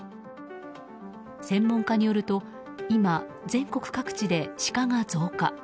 専門家によると今、全国各地でシカが増加。